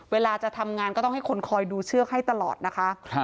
เวลาจะทำงานก็ต้องให้คนคอยดูเชือกให้ตลอดนะคะ